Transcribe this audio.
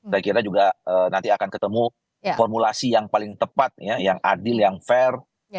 saya kira juga nanti akan ketemu formulasi yang paling tepat yang adil yang fair